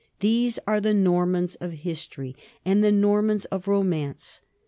These are the Normans of history and the Normans of romance.